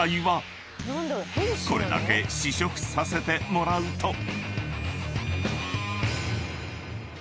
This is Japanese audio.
［これだけ試食させてもらうと］